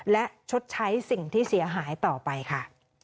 และชดใช้สิ่งที่เสียหายต่อไปค่ะ